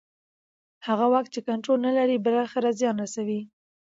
هغه واک چې کنټرول نه لري بالاخره زیان رسوي